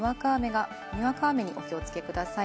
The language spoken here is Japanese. にわか雨にお気をつけください。